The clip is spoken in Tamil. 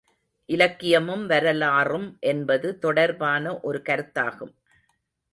இலக்கியமும் வரலாறும் என்பது தொடர்பான ஒரு கருத்தாகும்.